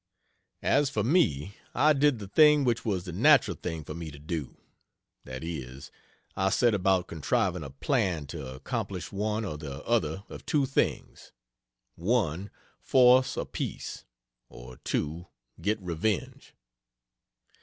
As for me, I did the thing which was the natural thing for me to do, that is, I set about contriving a plan to accomplish one or the other of two things: 1. Force a peace; or 2. Get revenge.